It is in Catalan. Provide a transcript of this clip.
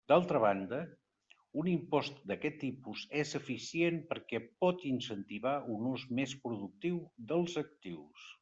D'altra banda, un impost d'aquest tipus és eficient perquè pot incentivar un ús més productiu dels actius.